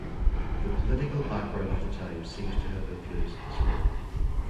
The political background of the time seems to have influenced this work.